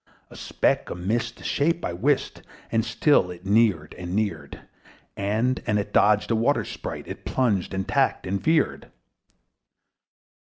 A speck, a mist, a shape, I wist! And still it neared and neared: As if it dodged a water sprite, It plunged and tacked and veered.